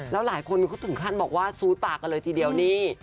แล้วหลายคนเขาถึงขั้นบอกว่าซูดปากกันเลยทีเดียวนี่